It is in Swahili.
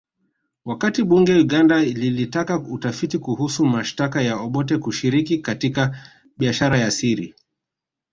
Wakati bunge Uganda lilitaka utafiti kuhusu mashtaka ya Obote kushiriki katika biashara ya siri